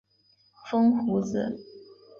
风胡子。